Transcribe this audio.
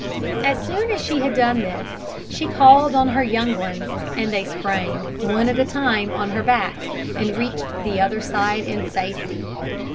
As soon as she had done this, she called on her young ones, and they sprang, one at a time, on her back, and reached the other side in safety!